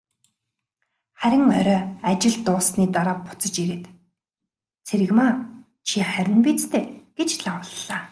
Харин орой ажил дууссаны дараа буцаж ирээд, "Цэрэгмаа чи харина биз дээ" гэж лавлалаа.